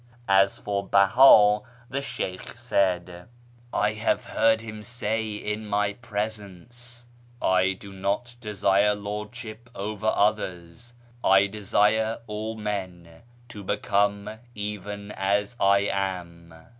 As for Beha, the Sheykh said :" I have heard him say in my presence, ' I do not desire lordship over others ; I desire all men to become even as I am.'